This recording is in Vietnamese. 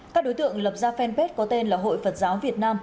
các đối tượng lập ra fanpage có tên là hội phật giáo việt nam